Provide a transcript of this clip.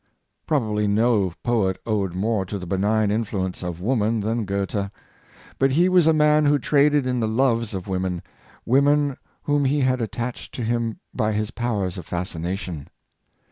'^ Probably no poet owed more to the benign influence of woman than Goethe. But he was a man who traded in the loves of women — women whom he had attached to him by his powers of fascination.